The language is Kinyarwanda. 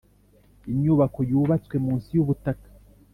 Inyubako yubatswe munsi yubutaka.